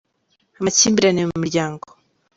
Amakimbirane mu miryango.